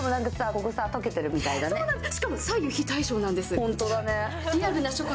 ここさ溶けてるみたいだねそうなんです！